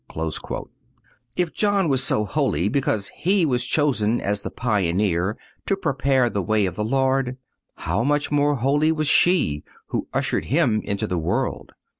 (219) If John was so holy because he was chosen as the pioneer to prepare the way of the Lord, how much more holy was she who ushered Him into the world.